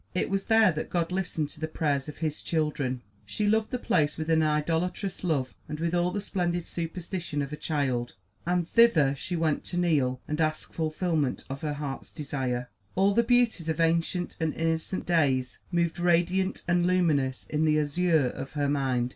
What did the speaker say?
It was there that God listened to the prayers of His children. She loved the place with an idolatrous love and with all the splendid superstition of a child, and thither she went to kneel and ask fulfilment of her heart's desire. All the beauties of ancient and innocent days moved radiant and luminous in the azure of her mind.